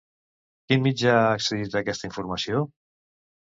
Quin mitjà ha accedit a aquesta informació?